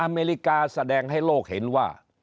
อเมริกาแสดงให้โลกเห็นว่า